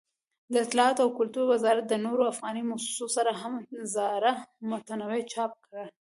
دطلاعاتو او کلتور وزارت د نورو افغاني مؤسسو سره هم زاړه متون چاپ کړي.